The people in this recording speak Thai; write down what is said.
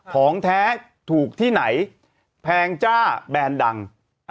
ของแท้ถูกที่ไหนแพงจ้าแบรนด์ดัง